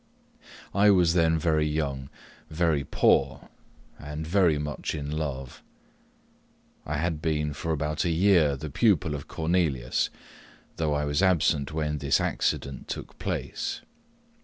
I was then very young very poor and very much. in love. I had been for about a year the pupil of Cornelius, though I was absent when this accident took place.